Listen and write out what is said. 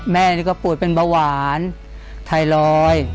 แม่นี้ก็ปวดเป็นบะหวานไทรลอย